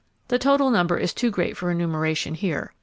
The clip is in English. The total number is too great for enumeration here.